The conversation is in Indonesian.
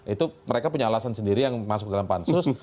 itu mereka punya alasan sendiri yang masuk dalam pansus